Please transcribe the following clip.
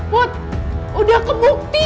what udah kebukti